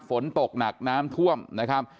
ฝนตกหนักน้ำท่วมนะครับ